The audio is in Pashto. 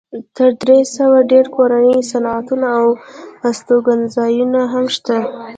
تر درې سوه ډېر کورني صنعتونه او هستوګنځایونه هم شته.